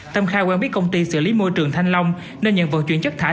tâm khai quen biết công ty xử lý môi trường thanh long nên nhận vận chuyển chất thải